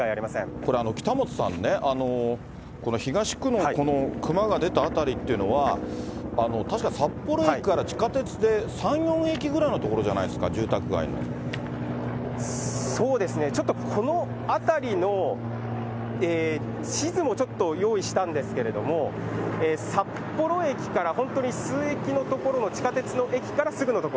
これ、北本さんね、この東区のこの熊が出た辺りというのは、確か、札幌駅から地下鉄で３、４駅ぐらいの所じゃないですか、そうですね、ちょっとこの辺りの地図もちょっと用意したんですけれども、札幌駅から本当に数駅の所の地下鉄の駅からすぐの所。